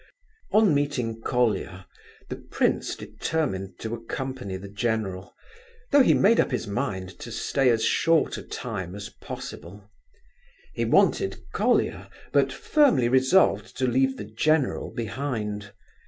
On meeting Colia the prince determined to accompany the general, though he made up his mind to stay as short a time as possible. He wanted Colia, but firmly resolved to leave the general behind.